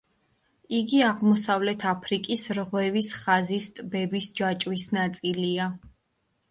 იგი აღმოსავლეთ აფრიკის რღვევის ხაზის ტბების ჯაჭვის ნაწილია.